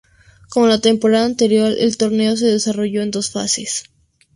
Como la temporada anterior, el torneo se desarrolló en dos fases.